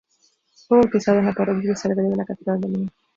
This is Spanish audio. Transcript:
Fue bautizado en la Parroquia El Sagrario de la Catedral de Lima.